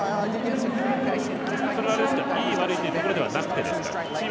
これはいい悪いというところではなくてですか。